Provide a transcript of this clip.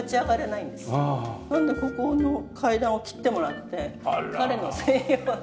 なのでここの階段を切ってもらって彼の専用の。